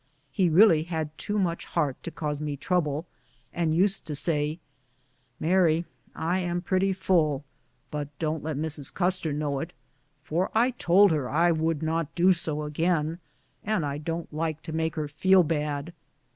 He really had too much heart to cause me trouble, and used to say, " Mary, I am pretty full, but don't let Mrs. Custer know it, for I told her I would not do so again, and I don't like to make her feel bad."